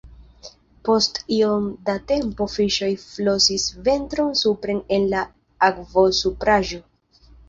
Post iom da tempo fiŝoj flosis ventron supren en la akvosupraĵo.